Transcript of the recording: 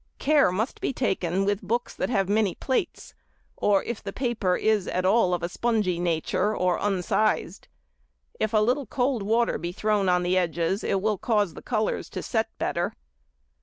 Care must be taken with books that have many plates, or if the paper is at all of a spongy nature or unsized. If a little cold water be thrown on the edges it will cause the colours to set better.